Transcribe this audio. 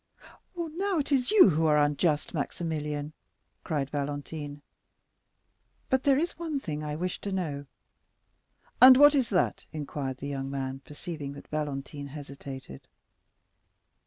"Now it is you who are unjust, Maximilian," cried Valentine; "but there is one thing I wish to know." "And what is that?" inquired the young man, perceiving that Valentine hesitated.